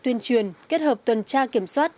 tuyên truyền kết hợp tuần tra kiểm soát